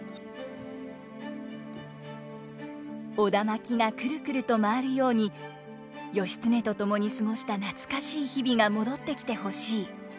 苧環がくるくると回るように義経と共に過ごした懐かしい日々が戻ってきて欲しい。